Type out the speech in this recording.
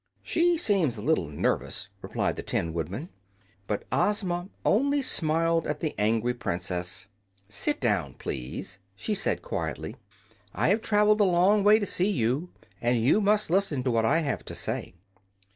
"She seems a little nervous," replied the Tin Woodman. But Ozma only smiled at the angry Princess. "Sit down, please," she said, quietly. "I have traveled a long way to see you, and you must listen to what I have to say."